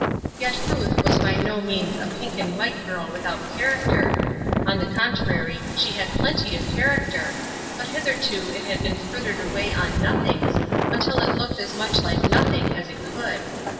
Yet Ruth was by no means a "pink and white" girl without character; on the contrary, she had plenty of character, but hitherto it had been frittered away on nothings, until it looked as much like nothing as it could.